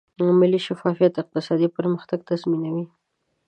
مالي شفافیت اقتصادي پرمختګ تضمینوي.